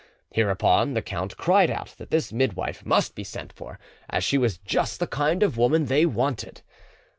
Hereupon the count cried out that this midwife must be sent for, as she was just the kind of woman they wanted.